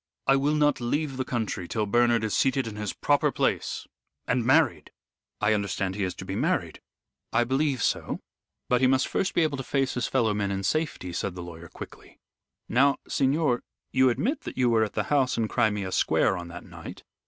I will not leave the country till Bernard is seated in his proper place, and married I understand he is to be married." "I believe so. But he must first be able to face his fellow men in safety," said the lawyer, quickly. "Now, signor, you admit that you were at the house in Crimea Square on that night."